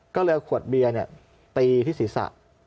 ก็เลยเอาขวดเบียร์ตีที่ศีรษะ